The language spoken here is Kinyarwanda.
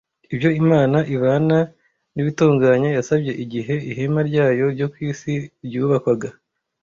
ibyo Imana ibana n’ibitunganye yasabye igihe ihema ryayo ryo ku isi ryubakwaga.